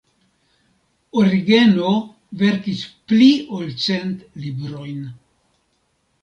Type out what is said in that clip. Origeno verkis pli ol cent librojn.